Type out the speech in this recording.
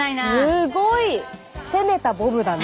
すごい攻めたボブだね。